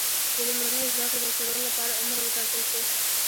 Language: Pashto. د لومړنیو زده کړو بشپړولو لپاره عمر وټاکل شو.